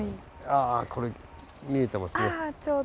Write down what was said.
あこれ見えてますね。